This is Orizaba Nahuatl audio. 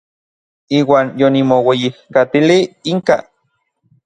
Iuan yonimoueyijkatilij inka.